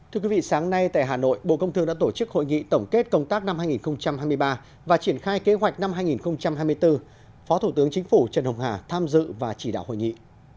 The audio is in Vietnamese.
thưa quý vị sáng nay tại hà nội bộ công thương đã tổ chức hội nghị tổng kết công tác năm hai nghìn hai mươi ba và triển khai kế hoạch năm hai nghìn hai mươi bốn phó thủ tướng chính phủ trần hồng hà tham dự và chỉ đạo hội nghị